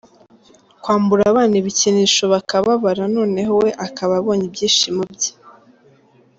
Kwambura abana ibikinisho bakababara noneho we akaba abonye ibyishimo bye.